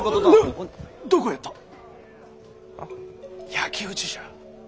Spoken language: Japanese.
焼き討ちじゃ。